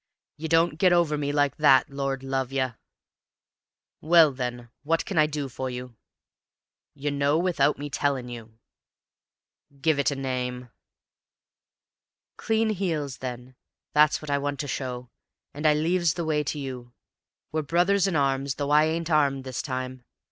You don't get over me like that, Lor' love yer!" "Well, then, what can I do for you?" "You know without me tellin' you." "Give it a name." "Clean heels, then; that's what I want to show, and I leaves the way to you. We're brothers in arms, though I ain't armed this time.